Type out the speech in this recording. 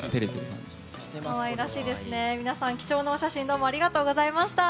皆さん、貴重なお写真ありがとうございました。